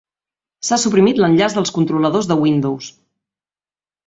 S"ha suprimit l"enllaç dels controladors de Windows.